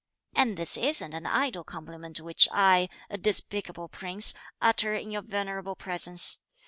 and this isn't an idle compliment which I, a despicable prince, utter in your venerable presence!